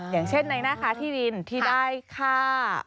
อย่างเช่นในหน้าค้าที่ดินที่ได้ค่า